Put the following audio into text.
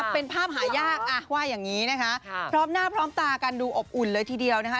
เป็นภาพหายากว่าอย่างนี้นะคะพร้อมหน้าพร้อมตากันดูอบอุ่นเลยทีเดียวนะคะ